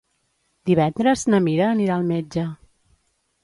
Divendres na Mira anirà al metge.